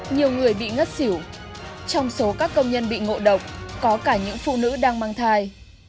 nhiều người bị ngất xỉu trong số các công nhân bị ngộ độc có cả những phụ nữ đang mang thai